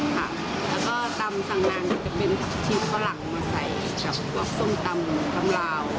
ค่ะแล้วก็ตำสังนางจะเป็นผักชีพฝรั่งมาใส่กับบัวบกส้มตำตำราว